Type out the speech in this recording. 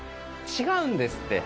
違うんですって。